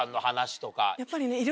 やっぱりね。